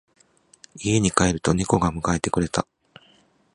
家に帰ると猫が迎えてくれた。